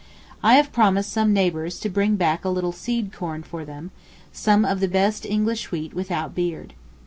I have promised some neighbours to bring back a little seed corn for them, some of the best English wheat without beard.